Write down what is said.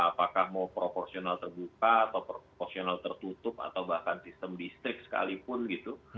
apakah mau proporsional terbuka atau proporsional tertutup atau bahkan sistem distrik sekalipun gitu